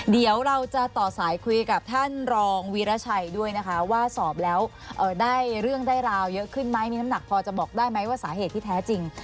เดี๋ยวเราจะต่อสายคุยกับท่านรองวีรชัยด้วยนะคะว่าสอบแล้วได้เรื่องได้ราวเยอะขึ้นไหมมีน้ำหนักพอจะบอกได้ไหมว่าสาเหตุที่แท้จริง